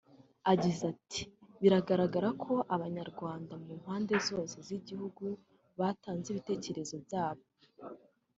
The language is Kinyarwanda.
Agize ati “Bigaragara ko Abanyarwanda mu mpande zose z’igihugu batanze ibitekerezo byabo